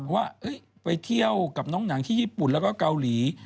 ว่าไปเที่ยวกับน้องหนังที่ญี่ปุ่นแล้วก็เกาหลี